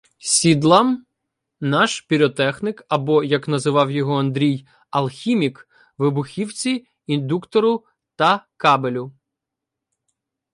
сідлам; наш піротехнік, або, як називав його Андрій, Алхімік, — вибухівці, індуктору та кабелю.